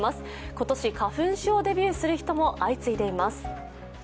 今年、花粉症デビューする人も相次いでいます。